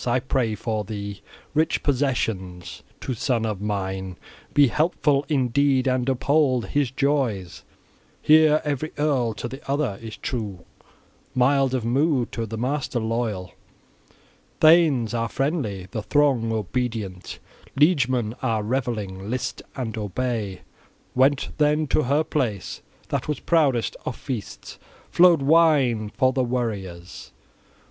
I pray for thee rich possessions. To son of mine be helpful in deed and uphold his joys! Here every earl to the other is true, mild of mood, to the master loyal! Thanes are friendly, the throng obedient, liegemen are revelling: list and obey!" Went then to her place. That was proudest of feasts; flowed wine for the warriors.